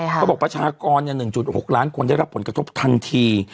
ประชากร๑๖ล้านคนได้รับผลกระทบทันที